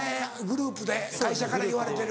グループで会社から言われてる。